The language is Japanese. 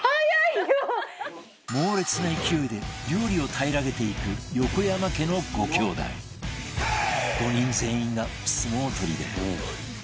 猛烈な勢いで料理を平らげていく５人全員が相撲取りで